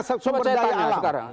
sumber daya alam